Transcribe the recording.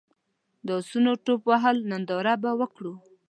د اسونو ټوپ وهلو ننداره به وکړو.